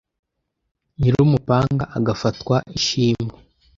Nyirumupanga agafatwa ishimwe